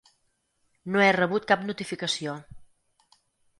No he rebut cap notificació.